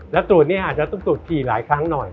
แล้วตรวจนี้อาจจะต้องตรวจฉี่หลายครั้งหน่อย